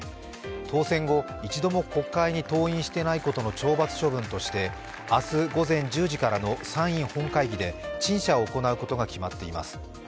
当選後、一度も国会に登院していないことの懲罰処分として明日午前１０時からの参院本会議で、陳謝を行うことが決まっています。